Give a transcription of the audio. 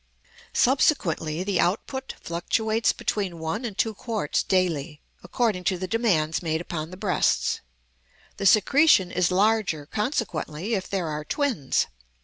Subsequently the output fluctuates between one and two quarts daily, according to the demands made upon the breasts; the secretion is larger, consequently, if there are twins.